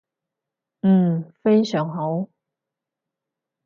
嗯，非常好